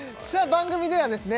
番組ではですね